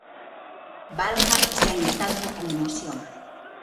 Valga está en estado de conmoción.